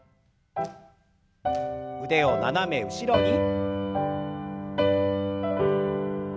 腕を斜め後ろに。